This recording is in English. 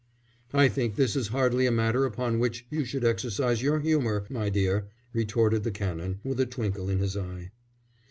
"I think this is hardly a matter upon which you should exercise your humour, my dear," retorted the Canon, with a twinkle in his eye.